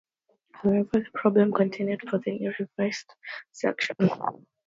However, the problem continued for the new revised section.